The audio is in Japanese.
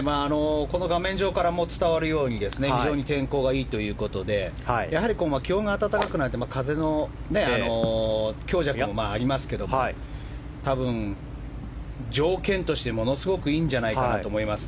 この画面上からも伝わるように非常に天候がいいということでやはり気温が暖かくなると風の強弱もありますけど条件として、ものすごくいいんじゃないかなと思います。